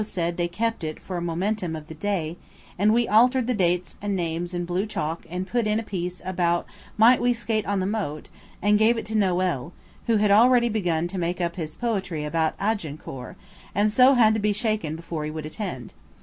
said they kept it for a momentum of the day–and we altered the dates and names in blue chalk and put in a piece about might we skate on the moat, and gave it to Noël, who had already begun to make up his poetry about Agincourt, and so had to be shaken before he would attend.